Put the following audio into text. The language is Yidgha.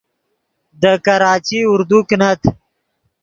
دے کراچی اردو کینت